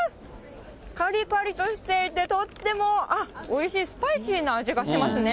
かりかりとしていてとってもおいしい、スパイシーな味がしますね。